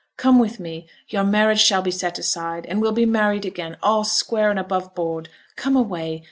Come with me; your marriage shall be set aside, and we'll be married again, all square and above board. Come away.